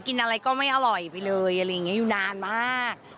กินอะไรก็ไม่อร่อยไปเลยอยู่นานมาก